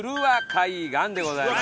海岸でございます。